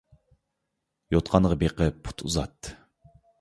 يوتقانغا بېقىپ پۇت ئۇزات.